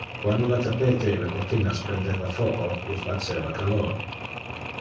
Quando le tapete e le cortinas prendeva foco, il faceva calor.